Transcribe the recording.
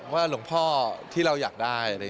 ว่าหลวงพ่อที่เราอยากได้